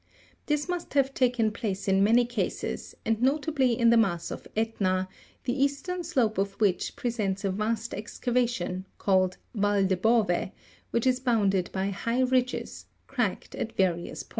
This must have taken place in many cases, and notably in the mass of Etna, (fig. 192), the east ern slope of which presents a vast excavation, called Val del Bove, which is bounded by high ridges, cracked at various points.